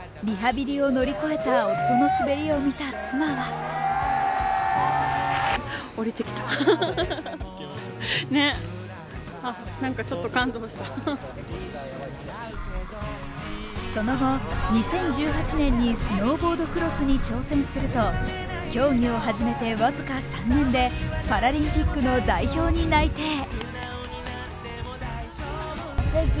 リハビリを乗り越えた夫の滑りを見た妻はその後、２０１８年にスノーボードクロスに挑戦すると競技を始めて僅か３年でパラリンピックの代表に内定。